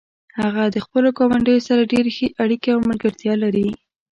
هغه د خپلو ګاونډیانو سره ډیرې ښې اړیکې او ملګرتیا لري